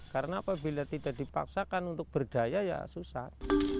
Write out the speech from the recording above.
karena apabila tidak dipaksakan untuk berdaya ya susah